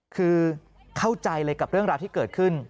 คือเข้าใจเลยกับเรื่องราวที่เกิดขึ้น